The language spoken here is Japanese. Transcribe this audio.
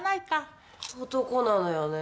男なのよね